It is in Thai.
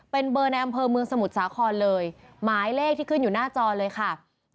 เป็นเบอร์ในอำเภอเมืองสมุทรสาครเลยหมายเลขที่ขึ้นอยู่หน้าจอเลยค่ะ